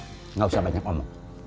makan aja gak usah banyak ngomong